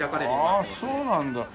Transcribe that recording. ああそうなんだ。